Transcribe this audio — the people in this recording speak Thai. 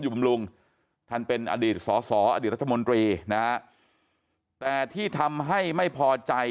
บำรุงท่านเป็นอดีตสอสออดีตรัฐมนตรีนะฮะแต่ที่ทำให้ไม่พอใจ